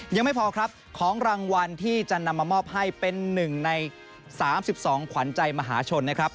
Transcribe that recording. ยังไม่พอครับของรางวัลที่จะนำมามอบให้เป็นหนึ่งใน๓๒ขวัญใจมหาชนนะครับ